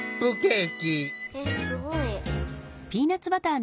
えっすごい。